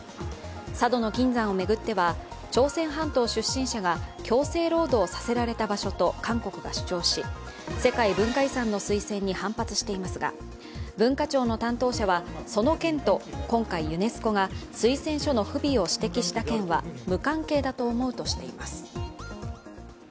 佐渡島の金山を巡っては朝鮮半島出身者が強制労働させられた場所と韓国が主張し世界文化遺産の推薦に反発していますが文化庁の担当者はその件と今回ユネスコが推薦書の不備を指摘した件は無関係だと思うとしています。